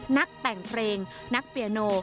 นักแต่งเพลงนักเปียโน